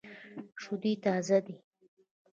شودې تازه دي.